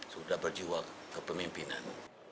sudah berjuang kepemimpinan